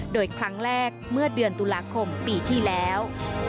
โดยครั้งแรกเมื่อเดือนตุลาคมปีที่แล้ว